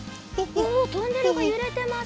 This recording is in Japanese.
おおトンネルがゆれてます。